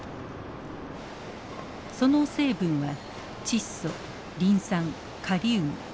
その成分は窒素リン酸カリウム。